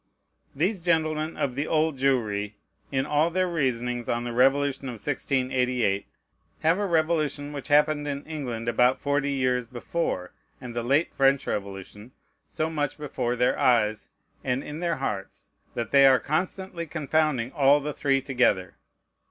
These gentlemen of the Old Jewry, in all their reasonings on the Revolution of 1688, have a revolution which happened in England about forty years before, and the late French Revolution, so much before their eyes and in their hearts, that they are constantly confounding all the three together.